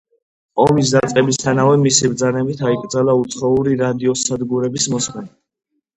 ომის დაწყებისთანავე მისი ბრძანებით აიკრძალა უცხოური რადიოსადგურების მოსმენა.